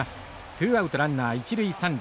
ツーアウトランナー一塁三塁。